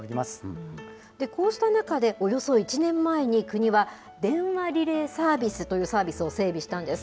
こうした中で、およそ１年前に国は、電話リレーサービスというサービスを整備したんです。